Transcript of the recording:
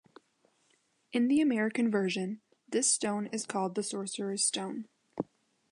In the American version, this stone is called the Sorcerer's Stone.